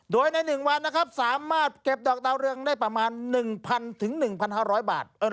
โดยใน๑วันนะครับสามารถเก็บดอกดาวเรืองได้ประมาณ๑๐๐๑๕๐๐บาท